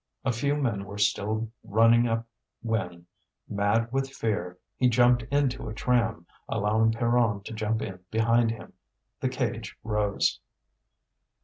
A few men were still running up when, mad with fear, he jumped into a tram, allowing Pierron to jump in behind him. The cage rose.